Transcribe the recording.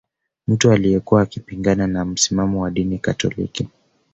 Mtu aliyekuwa akipingana na misimamo ya dini katoliki